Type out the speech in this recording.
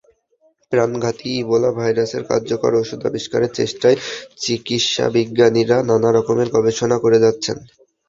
প্রাণঘাতী ইবোলা ভাইরাসের কার্যকর ওষুধ আবিষ্কারের চেষ্টায় চিকিৎসাবিজ্ঞানীরা নানা রকমের গবেষণা করে যাচ্ছেন।